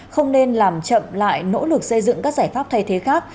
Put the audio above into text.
không nên làm chậm lại nỗ lực xây dựng các giải pháp thay thế khác